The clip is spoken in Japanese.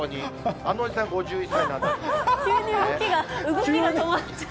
あのおじさん、５１歳になったん急に動きが止まっちゃう。